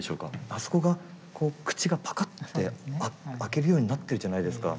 あそこがこう口がパカッて開けるようになってるじゃないですか。